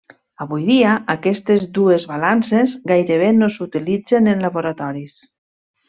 Avui dia aquestes dues balances gairebé no s'utilitzen en laboratoris.